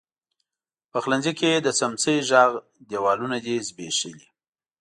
پخلنځي کې د څمڅۍ ږغ، دیوالونو دی زبیښلي